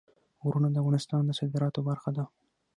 غرونه د افغانستان د صادراتو برخه ده.